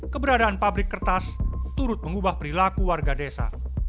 keberadaan pabrik kertas turut mengubah perilaku warga desa